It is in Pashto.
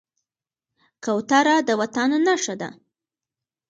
کوتره د وطن نښه ده.